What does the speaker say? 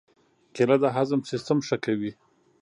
کېله د هضم سیستم ښه کوي.